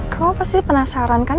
kamu pasti penasaran kan